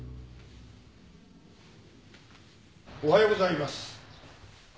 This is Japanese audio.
・おはようございます。